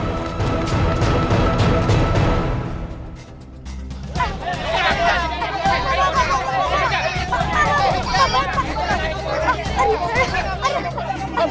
pak bopak pak bopak